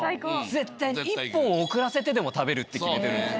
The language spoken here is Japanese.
絶対１本遅らせてでも食べるって決めてるんです。